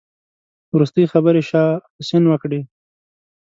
وروستۍ خبرې شاه حسين وکړې.